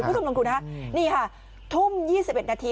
ผู้ชมลงคุณค่ะนี่ค่ะทุ่ม๒๑นาที